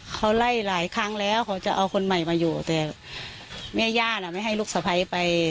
เขาไล่หลายครั้งแล้วเขาจะเอาคนใหม่มาอยู่แต่แม่ย่าน่ะไม่ให้ลูกสะพ้ายไป